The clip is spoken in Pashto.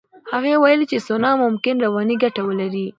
هغه ویلي چې سونا ممکن رواني ګټې ولري.